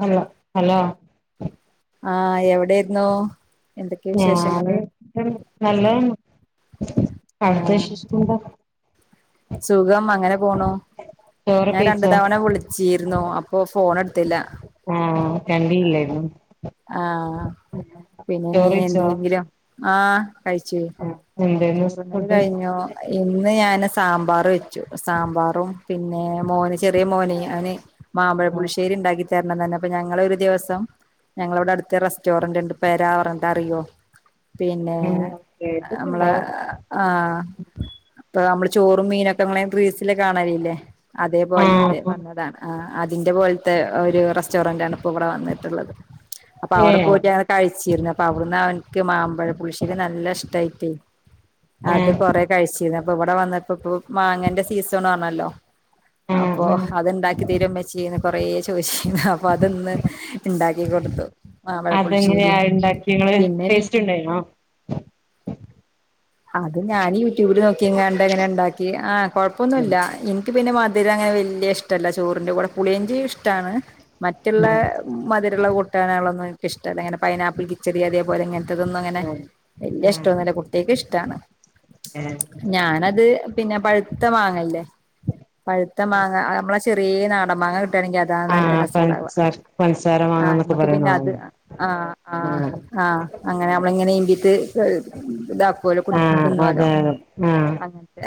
Hello hello ആഹ് എവിടേര്ന്നു ഞാാന് ന്ന് ഹലോ [unintelligible] ആഹ് സുഖം അങ്ങനെ പോണു. ചോറൊക്കെ ഞാ രണ്ടു കഴിച്ചോ തവണ വിളിച്ചീര്ന്നു. അപ്പൊ ഫോൺ എടുത്തില്ല ആഹ് കണ്ടീല്ലര്ന്നു ആഹ് പിന്നെന്നീ കഴിച്ചോ എന്തേങ്കിലും ആഹ് കഴിച്ച് എന്തേന്നു ചോറുണ്ണാല ഫുഡ് കഴിഞ്ഞോ അഇന്ന് ഞാൻ സാമ്പാർ വെച്ചു സാമ്പാറും പിന്നെ മോന് ചെറിയ മോന് അവന് മാമ്പഴ പുളിശ്ശേരിണ്ടാക്കിത്തരണന്നർ ഞ്ഞു. അപ്പൊ ഞങ്ങളൊരു ദിവസം ഞങ്ങളവിടെ അടുത്ത് റെസ്റ്റോറന്റ് ഉണ്ട് പെരാ പറഞ്ഞി ട്ടറിയോ പിന്നെ ഉം അമ്മളെ കേട്ടിട്ടുണ്ടാവും ആഹ് അപ്പൊ അമ്മള് ചോറും മീനൊക്കെ അങ്ങനെ റിൽസില് കാണലില്ലേ ആഹ് അതേപോൽത്തെ ആഹ് വന്നതാണ്. ആ അതിന്റെ പോൽത്തെ ഒരു റെസ്റ്റോറന്റ് ആണ്പ് പ്പൊ വടെ വന്നിട്ടുള്ളത്. അപ്പൊ അവിടെ ഏഹ് പോയിട്ട് ഞാ കഴിച്ചിര്ന്നു. അപ്പവിടുന്ന് അവന്ക്ക് മാമ്പഴ പുളിശേരി നല്ല ഇഷ്ടയിട്ടേ അത് ആഹ് കൊറെ കഴിച്ചിന്നു. അപ്പ വടെ വന്നപ്പോപ്പൊ മാങ്ങന്റെ സീസണുആണല്ലോ അപ്പൊ ആഹ് ആഹ് അത്ണ്ടാക്കിതര്വോമ്മച്ചീന്ന് കൊറേ ചോയ് ചീന്ന്. അപ്പൊ അത് ന്ന് ഇണ്ടാക്കി കൊടുത്തു മാമ്പഴപ്പുളിശ്ശേരി അതെങ്ങനെയാ ഉണ്ടാക്കിങ്ങള് പിന്നെ മീ ടേസ്റ്റ്ണ്ടായിനോ അത് ഞാന് യൂട്യൂബില് നോക്കിങ്ങാണ്ടങ്ങനെ ണ്ടാക്കി ആഹ് കൊഴപ്പൊന്നുല്ല ഇൻ ക്ക് പിന്നെ മധുരങ്ങനെ വല്യ ഇഷ്ടല്ല ചോറിൻറെ കൂടെ, പുളിഞ്ചി ഇഷ്ടാണ് മറ്റ്ള്ളെ ആഹ് മധരള്ള കൂട്ടാനാളൊന്നും ഇൻക്കിഷ്ടല്ല. ങ്ങനെ പൈനാപ്പിൾ കിച്ചടി, അതേപോലെങ്ങനെ ത്തതൊന്നുങ്ങനെ വല്യഷ്ടോന്നുല്ല കുട്ട്യക്കിഷ് ഏഹ് ഞാനത് പിന്നെ പഴുത്ത മാങ്ങല്ലേ പഴുത്ത മാങ്ങ നമ്മള ച് ചെറീനാടൻ മാങ്ങ കിട്ടാണെങ്കി അത് താ നല്ല ആഹ് രസണ്ടാവ്വ്വ. പൻസാര പൻസാര ആ മാങ്ങാന്നൊക്കെ നമ്മക്ക് പറയുന്ന പിന്നത് വാങ്ങി ആഹ് ആഹ് ആഹ് അങ്ങനെ നമ്മള്ങ്ങനെ ഇമ്പീട്ട് എ ഇതാക്കല്ലോ തിന്നുവല്ലോ അതെ അതെ ആഹ്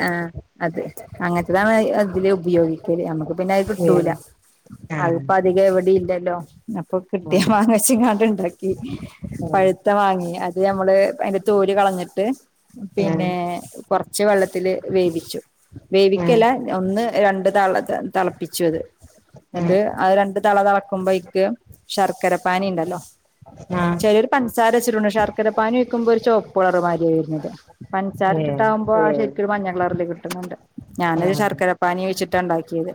ഏഹ്, അത്. അങ്ങൻത്തതാണ് അതില് ഉപയോഗിക്കല്, അമ്മക്ക് പിന്നത് കിട്ടൂല ആഹ് ആഹ് ധികം എവിടില്ലല്ലോ, അപ്പൊ കേക്ക് കിട്ടിയ മാങ്ങച്ച്ങ്ങാണ്ട്ണ്ടാകി ക്കി, പഴുത്ത മാങ്ങേ അത് നമ്മള് അയ്ന്റെ തോല് കളഞ്ഞിട്ട് പിന്നെ കൊർച്ച് വെള്ളത്തില് വേവിച്ചു. വേവിക്കല്ല ഒന്ന് രണ്ട് തള തളപ്പിച്ചു അത്. ന്നട്ട് അ രണ്ട് തള തളക്കുമ്പോക്ക് ശർക്കര പാനിണ്ടല്ലോ ചെലോര് പൻസാര വെച്ചിട്ടുണ്ട ശർക്കര പാനി ഒയ്ക്കുമ്പോ ഒരു ചുവപ്പുളർമാതിരി വര്ന്നത്, പൻസാര ഇട്ടാട്ടകുമ്പോ മ്പോ ശരിക്കും മഞ്ഞകളറില് കിട്ടും ട്ടുന്ന്ണ്ട്. ഞാനത് ശർക്കര പാനീ ഒഴിച്ചിട്ടാ ണ്ടാക്കിയത്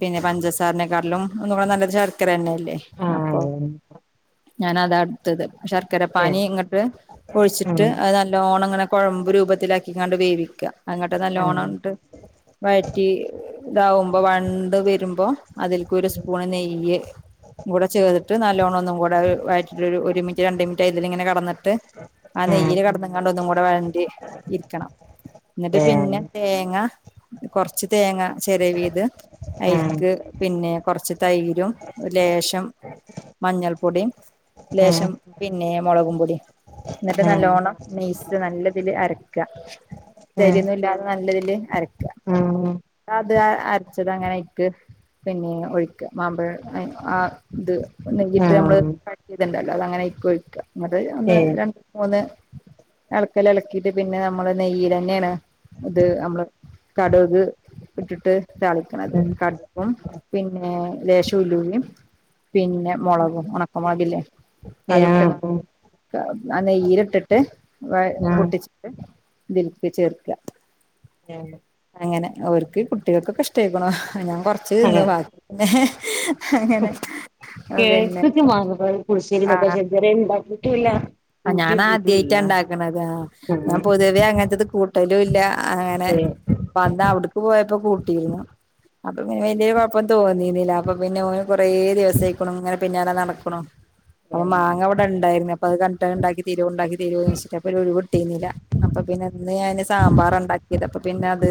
പിന്നെ പഞ്ചസാരനെകാട്ടിലും ഒന്നുകൂടെ നല്ല ശർക്കര തന്നെല്ലേ അപ്പൊ ഞാനതാ ഇട്ത്തത്. ശർക്കര പാനി ഇങ്ങട്ട് ഒഴിച്ചിട്ട് അ ത് നല്ലോണം ഇങ്ങനെ കുഴമ്പ് രൂപത്തിലാക്കിക്കാണ്ട് വേവിക്കാ അങ്ങട്ട് നല്ലോണങ്ങട്ട് വയറ്റി ഇതാവുമ്പം വയണ്ട് വരുമ്പം അതിൽക്ക് ഒരു സ്പൂണ് നെയ്യ് കൂടെ ചെയ്തിട്ട് നല്ലോണ്ണം ഒന്നും കൂടെ വയറ്റീട്ട് ഒര് ഒരു മിനിറ്റ് രണ്ട് മിൻറ്റ് ആയതില് ഇങ്ങനെ കടന്നിട്ട് ആ നെയ്യില് കിടന്ന് ങ്ങാണ്ട് ഒന്നും കൂടെ വയണ്ടി ഇരിക്കണം. ഇന്നട്ട് പിന്നെ തേങ്ങ കൊറച്ച് തേങ്ങ ചെരവിയത് അയിൽക്ക് പിന്നെ കൊറച്ച് തൈരും ഒര് ലേശം മഞ്ഞൾപ്പൊടിം ലേശം പിന്നെ മുളകും പൊടിം ഇന്നട്ട് നല്ലോണ്ണം നെയ്സ് നല്ലതില് അരക്കാ. തരിയൊന്നും ഇല്ലാതെ നല്ലതില് അര ആഹ് അത് അരച്ചത് അങ്ങനായിറ്റ് പിന്നെ ഒഴിക്കാ. മാമ്പഴം ആ ഇത് നെയ്യിട്ട് നമ്മള് [unintelligible] ത്തിയത്ണ്ടല്ലോ അത് അങ്ങനെ അയ്ക്കൊഴിക്കാ ഇന്നട്ട് ഒന്ന് രണ്ട് മൂന്ന് എളക്കല് എളക്കീട്ട് പിന്നെ നമ്മള് നെയ്യിലെന്നേണ് ഇത് അമ്മള് കടുക് ഇട്ടിട്ട് താളിക്ണത്. കടുകും പിന്നെ ലേശം ഉലുവിം പിന്നെ മൊളകും. ഒണക്ക മൊളകില്ലേ അതും ഇട്ട്ങ്ങാണ്ട് ആ നെയ്യിലിട്ടിട്ട് വയ് പൊട്ടിച്ചിട്ട് ഇതിൽക്ക് ചേർക്കാ. [unintelligible] അങ്ങനെ അവർക്ക് കുട്ടികൾക്കൊക്കെ ഇഷ്ട്ടായിക്ണ്. ഞാൻ കൊറച്ച് തിന്ന് ബാ ന്നെ അങ്ങനെ പിന്നെ കേട്ട്ക്ക് മാങ്ങാക്കറി പുളിശേരി ന്നൊക്കെ. പക്ഷെ ഇത് വരെ ഇണ്ടാക്കീട്ടൂല്ല ആഹ് ഞാനാദ്യായിറ്റ ഇണ്ടാക്ണതാ ഞാൻ ആഹ് പൊതുവേ അങ്ങൻത്തത് കൂട്ടലൂല്ല. അങ്ങനെ ഏഹ് വന്ന അവിട് ക്ക് പോയപ്പോ കൂട്ടീന്നു. അപ്പൊ പിന്നെ വല്യ ഒര് കൊഴപ്പൊന്നും തോന്നീന്നില്ല അപ്പൊ പിന്നെ ഓന് കൊറേ ദിവസായ്ക്കുണു ഇങ്ങനെ പിന്നാലെ നടക്ക്ണു. ഉം അപ്പം മാങ്ങ ഇവിടെണ്ടായിരുന്നു. അപ്പ അത് കണ്ടിട്ട് ഉണ്ടാക്കി തെരോ ഉണ്ടാക്കി തെരോന്ന് ചോയ്ച്ചിട്ട് അപ്പൊര് ഒഴിവ് കിട്ടീരുന്നില്ല. അപ്പ പിന്നെ ഇന്ന് ഞാന് സമ്പാറാ ഇണ്ടാക്കിയത്. അപ്പ പിന്നെ അത്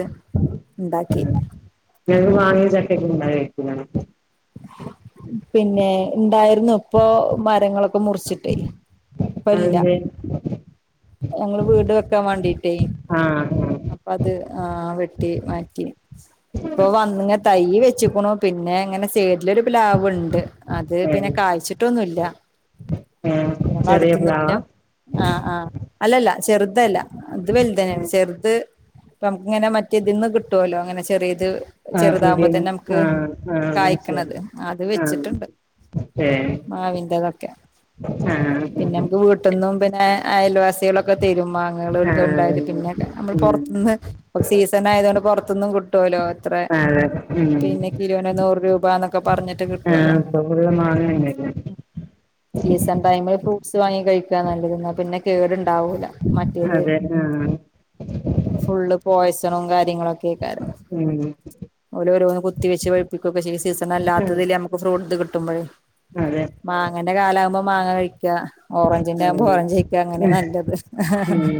ഇണ്ടാക്കി. ഇങ്ങക്ക് മാങ്ങിം ചക്കക്കെ ഉണ്ടാവേക്കുലേ. പിന്നെ ഇണ്ടായിരുന്നു ഇപ്പൊ മരങ്ങളൊക്കെ മുറിച്ചിട്ടേ ഇപ്പ ല്ല. അതിന്റെ ഞങ്ങള് വീട് വെക്കാൻ വാണ്ടീട്ടേ. ആഹ് ആ അപ്പ അത് ആഹ് വെട്ടി മാറ്റി ഇപ്പൊ വന്ന തൈ വെച്ചുക്കുണു പിന്നെ ഇങ്ങനെ സൈ ലൊരു പ്ലാവുണ്ട്. അത് പിന്നെ ഏഹ് കായ്ച്ചിട്ടൊന്നുല്ല. ഏഹ് ഞങ്ങള ചെറിയ അടുത്തൊന്നും പിന്നെ പ്ലാവാ ആഹ് ആഹ്. അല്ലല്ല ചെറുതല്ല ഇത് വലുതന്നേണ്. ചെർ ഇപ്പം ഇങ്ങനെ മറ്റേതിന്ന് കി ട്ടോലോ ഇങ്ങനെ ചെറിയത് ആഹ് ചെറുതാകുമ്പം പീടിയേ തന്നെ നമുക്ക് ആഹ് ആഹ് മനസ്സിലായി കായ്ക്ക്ണത് അത് ആഹ് വെച്ചിട്ട്ണ്ട്. ഏഹ് മാവിന്റെതൊക്കെ. ആഹ് പിന്നെ നമക്ക് വീ ട്ട്ന്നും പിന്നെ അയൽവാസികളൊക്കെ തരും മാങ്ങകള് ഓൽക്കൊക്കെ ആഹ് ണ്ടായത്. പിന്നെ ക്കെ നമ്മൾ പൊർ ഉം ത്ത്ന്ന് പ്പം സീസൺ ആയതോണ്ട് പൊറത്തൊന്നും കിട്ടോലോ ഇത്രെ. അതെ ഉം പിന്നെ കിലോ ന് നൂറ് രൂപാന്നൊക്കെ പറഞ്ഞിട്ട് കിട്ടോലോ. ആഹ് ഇപ്പൊ ഫുള്ള് മാങ്ങന്നെല്ലേ സീസൺ ടൈമില് ഫ്രൂട്ട്സ് വാങ്ങി കഴിക്കാ നല്ലത്. ന്നാ പിന്നെ കേട് ണ്ടാവൂല. അതെന്നെ ആഹ് ഫുള്ള് പോയിസണും കാര്യങ്ങളൊക്കെക്കാരം ഉം ഓല് ഓരോന്നും കുത്തി വെച്ച് പഴിപ്പിക്കൊക്കെ ചെയ്യും. സീസൺ അല്ലാത്തതില് നമ് ഫ്രൂട്ട് കിട്ടുബഴെ അതെ മാങ്ങന്റെ കാലാകുമ്പോ മാങ്ങ കഴിക്കുക ഓറഞ്ചിന്റെ ആവുമ്പോ ആഹ് ഓറഞ്ച് കഴിക്കുക അങ്ങനെ നല്ലത് ഉം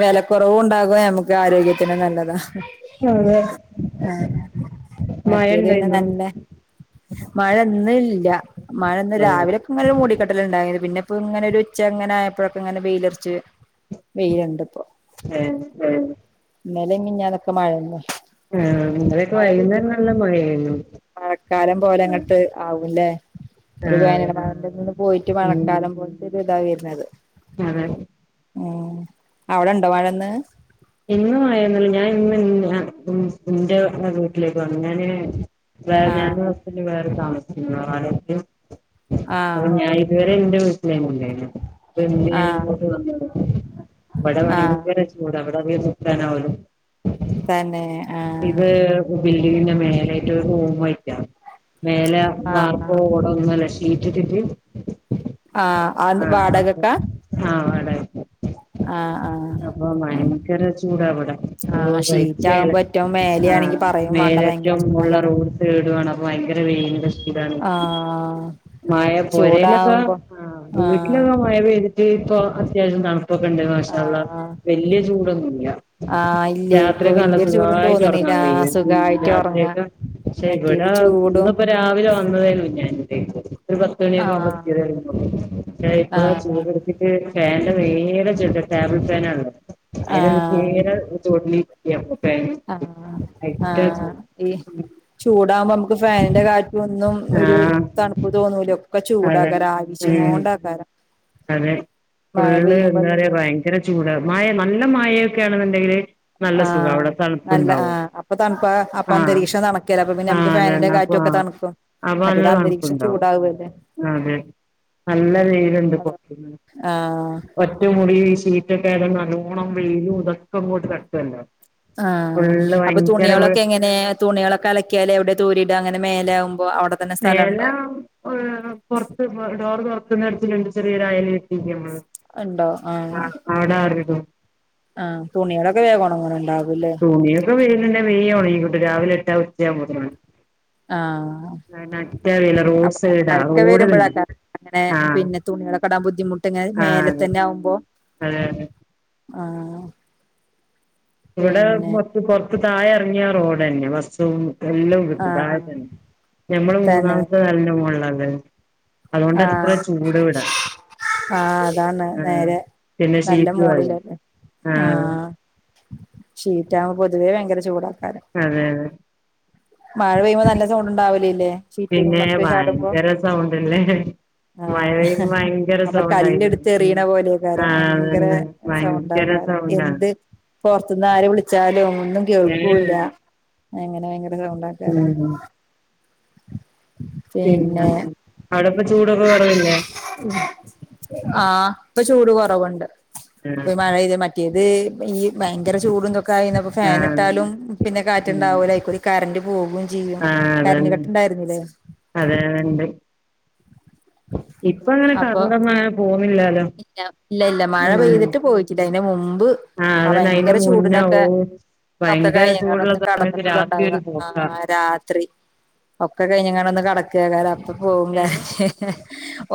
വില കുറവ് ഉണ്ടാകും നമുക്ക് ആരോഗ്യത്തിന് നല്ലതാ- അതെ ആഹ് മഴ മറ്റേതു പിന്നെ ഇണ്ടായിന്നോ നല്ല മഴയിന്നില്ല മഴ ഇന്ന് ഏഹ് രാവിലെ ഇന്ന് ഒരു മൂടിക്കെട്ടല ഉണ്ടായിരുന്നു പിന്നെ ഇപ്പൊ ഒരു ഉച്ച അങ്ങന ആയപ്പോഴൊക്കെ ഇങ്ങനെ വെയിലർച്ച് വെയിലണ്ടിപ്പോ. എയ് ഏഹ് ഇന്നലെ മിനിഞ്ഞാനൊക്കെ മഴയല്ല ആഹ് ഇന്നലെയൊക്കെ വൈകുന്നേരം [unintelligible] നല്ല മഴയായിരുന്നു മഴക്കാലം പോലെ അങ്ങട്ട് ആവൂല്ലേ. ഒരു വേനൽ ആഹ് [unintelligible] നിന്ന് പോയിട്ട് ഉം മഴക്കാലം പോലത്തെ ഒരിതാ വരുന്നത്. അതെ ഉം അവിടെ ഉണ്ടോ മഴ ഇന്ന്? ഇന്ന് മഴയൊന്നൂല്ല. ഞാൻ ഇന്ന് യ ഉം എന്റെ വീട്ടിലേക്ക് വന്ന് ഞാന് വേറെ ആഹ് ഞാനും ഹസ്ബൻ്റ് വേറെ താമസിക്കുന്നു വാടകയ്ക്ക് അപ്പൊ ആഹ് ഞാൻ ഇതുവരെ എന്റെ വീട്ടില് ആയിരുന്നു ഉണ്ടായിരുന്നേ അപ്പോ ഇന്ന് ഞാൻ ആഹ് ഇങ്ങോട്ട് വന്നതാ. ഇവിടെ ആഹ് ഭയങ്കര ചൂടാ. അവിടെ [unintelligible] തന്നെ ആഹ് ബിൽഡിങ്ങിന്റെ മേലായിട്ട് ഒരു റൂമ് ആയിട്ടാ. മേലെ ആഹ് വാർപ്പോ ഓടൊ ഒന്നൂല്ല ഷീറ്റിട്ടിട്ട് ആഹ് അതെന്താ. ആഹ് അപ്പൊ വാടകക്കാ? ആഹ് വാടകക്ക്. ആഹ് ആഹ് അങ്ങ ഭയങ്കരാ ചൂടാ അവിടെ. ഓ സഹിക്കേലാ ആകുമ്പോ ഏറ്റവും മേലെ ആഹ് ആണെങ്കി പറയും വേണ്ട ഭയങ്കര മേളിലേറ്റവും മോളിലാ ചൂടാകാരം റൂമ് കേടുവാണ്. അപ്പ ഭയങ്കര വെയിലിൻ്റെ ചൂടാണ്. ആഹ് മഴ പൊരേലൊക്കെ ചൂടാവുമ്പോ ആഹ് ആഹ് വീട്ടിലൊക്കെ മഴ പെയ്തിട്ട് ഇപ്പൊ അത്യാവശ്യം തണുപ്പൊക്കെ ഉണ്ട്. മാഷ അള്ളാ. ആഹ് വല്യ ചൂടൊന്നും ഇല്ല. ആഹ് ഇല്ലേ ഇപ്പൊ രാത്രിയൊക്കെ നല്ല വല്യൊരു ചൂടും സുഖായിട്ട് തോന്നണില്ല ഉറങ്ങാൻ കഴിയും. സുഖായിട്ട് ഒറങ്ങാ രാത്രിയൊക്കെ പക്ഷേ ഇവിടെ മറ്റേത് ചൂടും ഇന്നിപ്പ രാവിലെ വന്നതേയുള്ളൂ ഞാൻ ഇവിടേക്ക് ഒരു പത്തുമണിയൊക്കെ ആഹ് ആവുമ്പോ [unintelligible] ഇപ്പ ആഹ് ചൂട് എടുത്തിട്ട് ഫാന്റെ നേരെ [unintelligible] ടേബിൾ ഫാനാണല്ലോ. അയിൻ്റെ ആഹ് നേരെ ചോട്ടില് ആഹ് ആഹ് ചൂട് ഈ ചൂടാവുമ്പേ നമു ക്ക് ഫാനിന്റെ കാറ്റൊന്നും ഒരു ആഹ് തണുപ്പ് തോന്നൂല ഒക്കെ അതെ ചൂടാക്കാരാ. രാവിശി ഉം കൊണ്ടാക്കാരാ അതെ. ഫുള്ള് എന്താ പറയാ പെയ്യുമ്പോത്തന്നെ ഭയങ്കര ചൂടാ. മഴ നല്ല മഴയൊക്കെയാണെന്നുണ്ടെങ്കില് ആഹ് അല്ല. ആഹ് അപ്പൊ തണുപ്പാ. അപ്പൊ ആഹ് അന്തരീക്ഷം തണുക്കേല. അപ്പ പിന്നെ നമുക്ക് ഫാനിന്റെ കാ റ്റൊക്കെ തണുക്കും. അപ്പെ നല്ല മറ്റേത് അന്തരീക്ഷം തണുപ്പുണ്ടാവും. ചൂടാവല്ലേ ആഹ് അതെ നല്ല വെയിലുണ്ട് ഇപ്പോ അതാ പിന്നെ ആഹ് ഒറ്റ റ്റമുറി ഈ ഷീറ്റൊക്കെ ആയതോണ്ട് നല്ലോണം വെയിലും ഇതൊക്കെ ഇങ്ങോട്ട് തട്ടുവല്ലോ? ആഹ് ഫുള്ള് അപ്പൊ ഭയങ്കര തുണികളൊക്കെ എങ്ങനേ? തുണികളൊക്കെ അലക്കിയാല് എവിടെയാ തോരിയിടാ അങ്ങനെ മേലെ ആകുമ്പോ? അവിടെ തന്നെ സ്ഥലണ്ടോ മേളിലാണ്- പുറത്ത് ഡോറ് തുറക്കുന്നിടത്തലുണ്ട് ചെറിയൊരയല് കെട്ടിയിരിക്ക നമ്മള് ഉണ്ടോ? ആഹ് അവിടെ ആറി ഇടും. ആഹ് തുണികളൊക്കെ വേഗം ഉണങ്ങണുണ്ടാവൂലേ തുണിയൊക്കെ വെയിലുണ്ടേ വേഗം ഉണങ്ങി കിട്ടും. രാവിലെ ഇട്ടാ ഉച്ചയാകുമ്പോഴത്തേനും ഉണങ്ങി ആഹ് അറ്ററിയില്ല പിന്നെ റോഡ് അപ്പൊ സൈഡാ മഴക്കെ റോഡ് തന്നെ വരുമ്പോഴാക്കാ അങ്ങനെ ആഹ് പിന്നെ തുണികളൊക്കെ ഇടാൻ ബുദ്ധിമുട്ട്. ഞാൻ മേലെ ആഹ് അതെ തന്നെ ആകുമ്പോ അതെ അതെ. ആഹ് ഇവിടെ പിന്നെ പുറത്ത് പുറത്ത് ഇറങ്ങിയാ റോഡ് തന്നെയാ. ബസ്സും എല്ലാം കിട്ടും. താഴെ ആഹ് തന്നെ. ഞമ്മള് തന്നെ മൂന്നാമത്തെ നെലേൻ്റെ മോളിലാ ഉള്ളത്. അതുകൊണ്ടാ ഇത്ര ആഹ് ചൂട് ഇവിടെ. ആഹ് അതാണ് നേരെ. പിന്നെ നല്ല ഷീറ്റും അല്ലേ മോളിലല്ലേ ആഹ് ഷീറ്റാവുമ്പേ പൊതുവേ ഭയങ്കര ചൂടാക്കാരാ. അതെ അതെ. മഴ പെയ്യുമ്പോ നല്ല സൗണ്ട് ഉണ്ടാവലില്ലേ. പിന്നെ ഷീറ്റിമ്മക്ക് ചാടുമ്പോ ഭയങ്കര സൗണ്ട് അല്ലേ. മഴ പെയ്യുമ്പേ ആഹ് ഭയങ്കര നമ്മ സൗണ്ട് ആയിരുന്നു. കല്ലെടുത്തെറിയണ പോലെക്കാരം ആഹ് ഭയങ്കര അതന്നെ. ഭയങ്കര സൗണ്ടാണ്. പോർത്തുന്ന് ആര് വിളിച്ചാലും ഒന്നും കേൾക്കൂല്ല. ഏഹ് അങ്ങനെ ഭയങ്കര സൗണ്ടക്ക ഉം പിന്നെ പിന്നെന്ത. അവിടെപ്പൊ ചൂടൊക്കെ കുറവില്ലേ? ആഹ്‌ ഇപ്പൊ ചൂട് കൊറവുണ്ട് ആഹ് ഇപ്പ മഴെയതെ പിന്നേ ത് ഈ ഭയങ്കര ചൂടുംന്തൊ കയിഞ്ഞപ്പോ ആഹ് ഫാൻട്ടാലും പിന്നെ ഉം കാറ്റുണ്ടാവൂല പ്പൊ കറന്റ് പോകയും ചെയ്യും ആഹ് കറന്റ് അതന്നെ ണ്ടായിരുന്നില്ലേ? അതെ അതെണ്ട് ഇപ്പ അങ്ങനെ കറന്റോന്നുങ്ങനെ പോന്നില്ലാല്ലോ ഇല്ല. ഇല്ല ഇല്ല മഴ പെയ്തിട്ട് പോയിട്ടില്ല അയിന്റെ മുമ്പ് ആഹ് ആഹ്‌ അതന്നെ അയിന്റെ ഭയങ്കര മുന്നേ ഓ ചൂടിനൊക്കെ നക്കെ ഭയങ്കര ചൂടുള്ള കഴിഞ്ഞങ്ങളൊന്ന് സമയത്ത് കെടന്നിട്ടുള്ള രാത്രി ണ്ടാവുക ഒരു ആ പോക്കാ രാത് ത്രി ഒക്കെ കഴിഞ്ഞങ്ങട്ട്ന്ന് കടക്കുലെ കാല അപ്പൊ പോകും ലെ ഏഹ്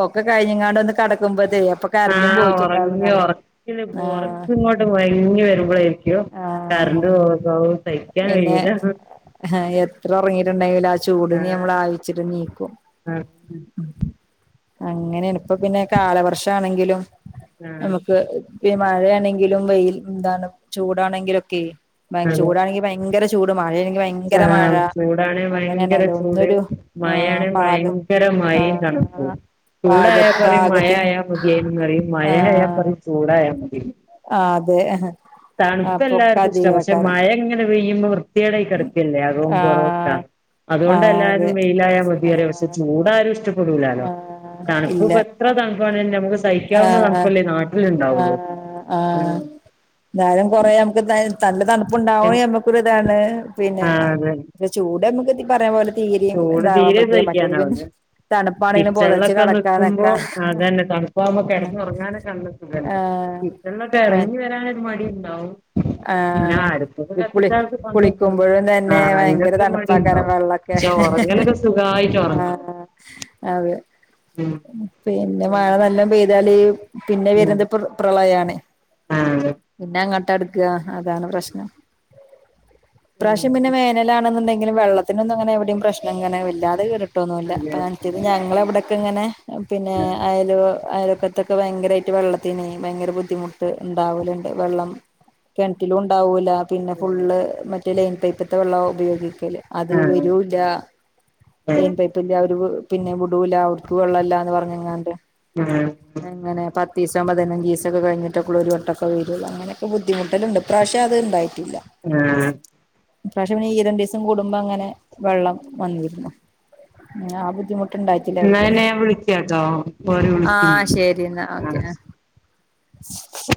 ഒക്കെ കഴിഞ്ഞങ്ങാണ്ട്ന്ന് കടക്കുമ്പോതേക് അപ്പ ആഹ്‌ ഉറങ്ങി ഉറക്ക ആഹ് കൊറച്ചു ഇങ്ങോട്ട് മയങ്ങി വരുമ്പോളെകും ആഹ് കറണ്ട് പോയ സയ്ക്കാൻ കഴിയില്ല ആഹ്‌ എത്ര ഉറങ്ങിട്ടുണ്ടെങ്കില ചൂടിനെ ആഹ് നമ്മള് ആഴച്ചിട്ട് നീക്കും ആഹ് അങ്ങനെണിപ്പ പിന്നെ കാലവർഷണെങ്കിലും ആഹ് നമുക്ക്. പി മഴയാണെങ്കിലും വെൽ ന്താണ് ചൂടാണെങ്കിലുക്കെ ചൂടാണെങ്കിൽ ഭയങ്കര ചൂട് മഴയങ്ക പയങ്ക ആഹ്‌ ചൂടാണ് ഭയങ്കര ചൂട് ഒന്നൊരു ആ മഴയാണ് പാക ഭയങ്കര ആ മഴയും. ഓഹ്‌ പാക ചുടായ പറിയും പാകത്തിന് മായായ മതിയെന്നറിയും ആ മായയാ പറയും ചുടായ മതി ആ അതെ അപ്പൊക്കെ തണുപ്പല്ലാർക്കും ഇഷ്ടം പക്ഷെ അധികാക്കാരം മഴങ്ങനെ പെയ്യുമ്പോ വൃത്തികേടയ്ക്കണ്. അകവും ആ പുറവുംക്കാ ആ അതുകൊണ്ട് എല്ലാരും അതെ മെയിലായ ആ മതിയറിയും പക്ഷെ ചൂടാരും ഇഷ്ടപെടുല. ട്ടുലാലോ ആ തണുപ്പ്‌ ഇപ്പ ഇല്ല എത്ര തണുപ്പണേലും നമുക്ക് സഹിക്കാവുന്ന ആഹ് തണുപ്പല്ലേ നാട്ടിലുണ്ടാവുള്ളൂ ഉം എന്തയാലും കൊറെ നമുക്ക് നല്ല തണുപ്പുണ്ടാവ നമ്മുക്കൊരിതാണ് പിന്നെ ആ അതെ ചൂട് നമുക് പറഞ പോലെന്നെ ചൂട് തീരെ സഹിക്കാനാവുന്നില്ല തണുപ്പാണെങ്കിലും പൊതച്ച് കിച്ചണിലൊക്കെ നിക്കുമ്പോ കെടക്കാനൊക്കെ അതന്നെ തണുപ്പാവുമ്പോ ആഹ് കെടന്നുറങ്ങാനൊക്ക തോന്നും അതന്നെ കിച്ചൻല്ലൊക്കെ മ ഇറങ്ങി വരാനൊരു മടി ഉണ്ടാവും. പിന്നെ അടുപ്പൊക്കെ ആഹ് കുളി കത്തിക്ക വല്യ പണിയല്ലേ കുളിക്കുമ്പോഴും ആ തന്നെ ഭയങ്കര ഇതൊക്കെ തണുപ്പാക്കാരം മടിയിണ്ടാവും. വെള്ളൊക്കെ പക്ഷെ ഉറങ്ങലൊക്കെ സുഖായിട്ട് ഉറങ്ങ ആ അതെ പിന്നെ മഴ നല്ല പെയ്താല് പിന്നെ ഉം വരുന്ന പ്ര പ്രളയണ് ആഹ് പിന്നെ അങ്ങോട്ട് അടു യാ അതാണ് പ്രശ്നം ഇപ്രാവശ്യം പിന്നെ വേനൽ. ചുടാണുണ്ടെങ്കിലും വെള്ളത്തിനൊന്നും അങ്ങനെ എവിടെയും പ്രശ്നങ്ങനെ വല്ലാതെ കേട്ടിട്ടൊന്നുല്ല അതെ അഹ് ത് ഞങ്ങള എവിടൊക്കെങ്ങനെ പിന്നെ അയാല്ക്കൊ അയലൊത്തൊക്കെ ഭയങ്കരായിട്ട് വെള്ളത്തിന് ഭയങ്കര ബുദ്ധിമുട്ട് ഉണ്ടാവലുണ്ട് വെള്ളം. കിണറ്റിലും ഉണ്ടാവുല്ല പിന്നെ ആഹ് ഫുള്ള് മറ്റേ ലൈൻ പൈപ്പത്തെ വെള്ളം ഉപയോഗിക്കല് അത് ആഹ് വരൂല്ല ലൈൻ പൈപ്പ്‌ന്റെ അവര് പിന്നെ വിടൂല അവർക്ക്‌ വെള്ളല്ലാന്ന് പറഞ്ഞങ്ങാണ്ട് ആഹ് ആഹ് അങ്ങന പത്തിസം പതിനഞ്ചിസ ക്കെഴിഞ്ഞിട്ടക്കു ഒരു വട്ടൊക്കെ വരുള്ളൂ അങ്ങനൊക്കെ ബുദ്ധിമുട്ടലുണ്ട് ഇപ്രാവശ്യം അത് ഇണ്ടായിട്ടില്ല. ആഹ് പക്ഷെ ഇരണ്ടിവസം കൂടുമ്പോ അങ്ങനെ വെള്ളം വന്നിരുന്നു ങ്ങനെ ആ ബുദ്ധിമുട്ട് പിന്നെ ണ്ടായിട്ടില്ലവരിക്കൊന്നും ഞാൻ വിളിക്കാട്ടോ ഓര് ആഹ്‌ വിളിക്കുന്നുണ്ട് ശെരി ന്നാ ഓക്കെ ആഹ് ആഹ്‌ [inaudible]